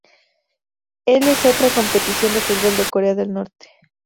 El es otra competición de fútbol de Corea del Norte.